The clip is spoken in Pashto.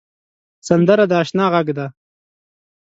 سندره د اشنا غږ دی